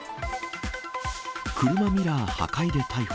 車ミラー破壊で逮捕。